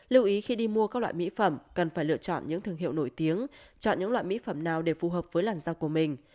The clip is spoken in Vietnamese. lưu ý khi đi mua các loại mỹ phẩm cần phải lựa chọn những thương hiệu nổi tiếng chọn những loại mỹ phẩm nào để phù hợp với làn da của mình